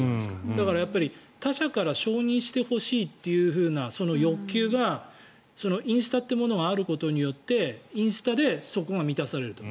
だから、他者から承認してほしいという欲求がインスタというものがあることによってインスタでそこが満たされると。